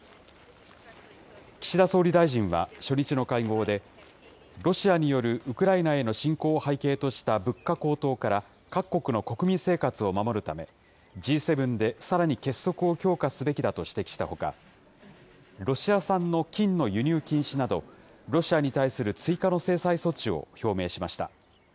岸田総理大臣は初日の会合で、ロシアによるウクライナへの侵攻を背景とした物価高騰から各国の国民生活を守るため、Ｇ７でさらに結束を強化すべきだと指摘したほか、ロシア産の金の輸入禁止など、ロシアに対する追加の制裁措置を表明しました。